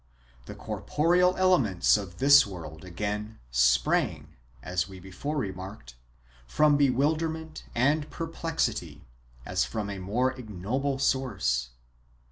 The corporeal ele ments of the world, again, sprang, as we before remarked, from bewilderment and perplexity, as from a more ignoble source.